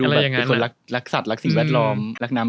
อะไรอย่างงั้นดูแบบเป็นคนรักสัตว์รักสิ่งแวดล้อมรักน้ำ